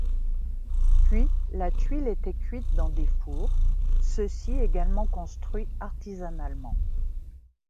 Puis, la tuile était cuite dans des fours, ceux-ci également construits artisanalement.